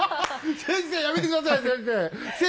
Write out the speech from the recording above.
先生やめて下さい先生！